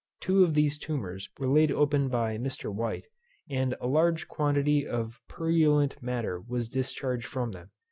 Two of these tumours were laid open by Mr. White, and a large quantity of purulent matter was discharged from them.